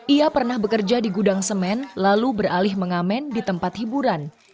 ia pernah bekerja di gudang semen lalu beralih mengamen di tempat hiburan